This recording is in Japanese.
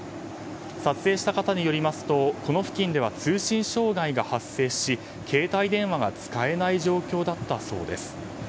撮影した方によりますとこの付近では通信障害が発生し携帯電話が使えない状況だったそうです。